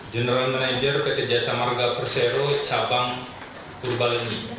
general manager pekerja samarga persero cabang purbaleni